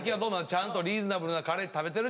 ちゃんとリーズナブルなカレー食べてる？